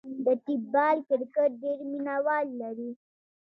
د ټیپ بال کرکټ ډېر مینه وال لري.